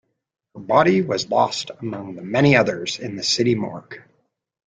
Her body was lost among the many others in the city morgue.